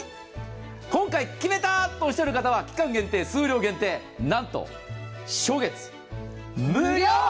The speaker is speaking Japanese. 今回、決めたとおっしゃる方は期間限定、数量限定、なんと、初月無料！